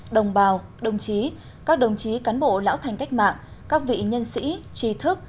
đồng bào đồng chí các đồng chí cán bộ lão thành cách mạng các vị nhân sĩ trí thức